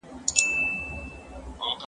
زه به سبا لوښي وچوم؟!